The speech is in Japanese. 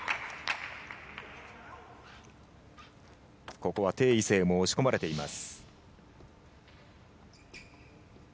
ここはテイ・イセイも押し込まれています。